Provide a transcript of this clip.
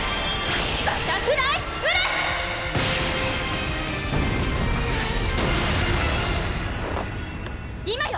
バタフライプレス‼今よ！